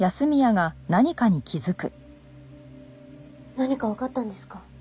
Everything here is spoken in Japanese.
何かわかったんですか？